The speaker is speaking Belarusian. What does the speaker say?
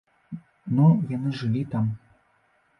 Ну, яны жылі там.